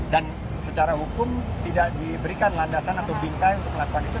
dan secara hukum tidak diberikan landasan atau bingkai untuk melakukan itu